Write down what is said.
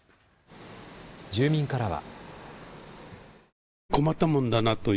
住民からは。